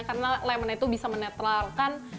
karena lemon itu bisa menetralkan